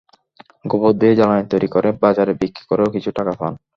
গোবর দিয়ে জ্বালানি তৈরি করে বাজারে বিক্রি করেও কিছু টাকা পান।